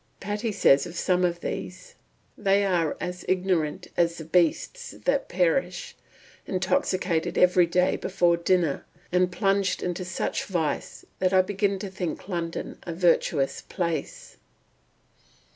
Patty says of some of these, "They are as ignorant as the beasts that perish; intoxicated every day before dinner, and plunged into such vice that I begin to think London a virtuous place."